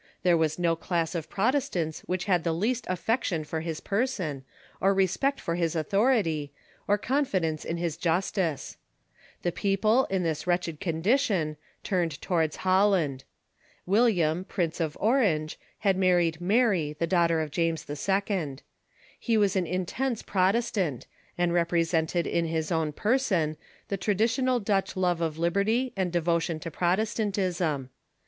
There was no class of Protestants which had the least affection for his })erson, or respect for his authority, or confidence in his jus ^'"iJ^^ ^"'' tice. The people, in this wretched condition, turned towards Holland. William, Prince of Orange, had married Mary, the daughter of James II. He was an intense Protestant, and represented in his own person the traditional Dutch love of liberty and devotion to Protestantism.